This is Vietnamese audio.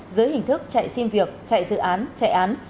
dưới hình thức chạy xin việc chạy dự án chạy án